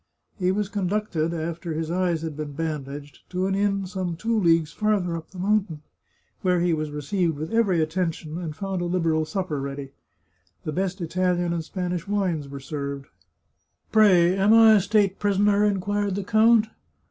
He was conducted, after his eyes had been bandaged, to an inn some two leagues farther up in the mountains, where he was received with every attention, and found a liberal supper ready. The best Italian and Spanish wines were served. " Pray, am I a state prisoner ?" inquired the count.